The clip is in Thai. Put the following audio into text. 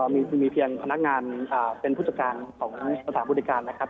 มีเพียงพนักงานเป็นผู้จัดการของสถานบริการนะครับ